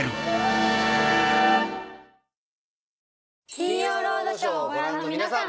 『金曜ロードショー』をご覧の皆さん。